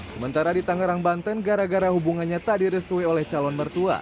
sementara di tangerang banten gara gara hubungannya tak direstui oleh calon mertua